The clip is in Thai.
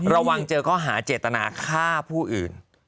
ระวังเจอข้อหาเจตนาฆ่าผู้อื่น